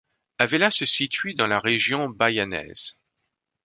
Avella se situe dans la région Baianese.